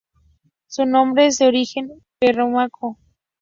Su nombre es de origen prerromano.